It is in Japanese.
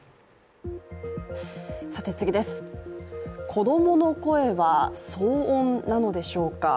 子供の声は騒音なのでしょうか？